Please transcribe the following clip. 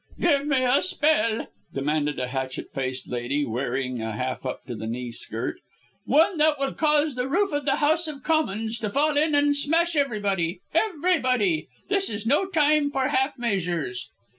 "Give me a spell," demanded a hatchet faced lady, wearing a half up to the knee skirt, "one that will cause the roof of the House of Commons to fall in and smash everybody EVERYBODY. This is no time for half measures."